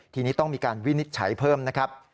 ทีนี้ต้องมีการวินิจฉัยเพิ่มนะครับ